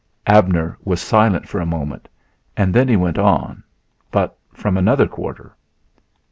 Abner was silent for a moment and then he went on, but from another quarter.